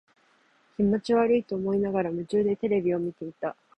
気持ち悪いと思いながら、夢中でテレビを見ていた。